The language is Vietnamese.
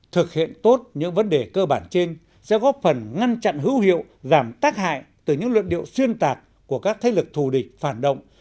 thực hiện tốt những vấn đề cơ bản trên sẽ góp phần ngăn chặn hữu hiệu giảm tác hại từ những luận điệu xuyên tạc của các thế lực thù địch phản động